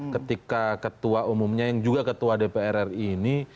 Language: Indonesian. ketika ketua umumnya yang juga ketua dpr ri ini